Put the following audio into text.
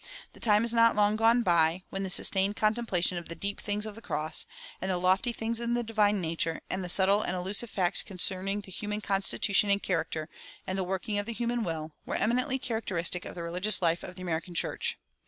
The time is not long gone by, when the sustained contemplation of the deep things of the cross, and the lofty things in the divine nature, and the subtile and elusive facts concerning the human constitution and character and the working of the human will, were eminently characteristic of the religious life of the American church.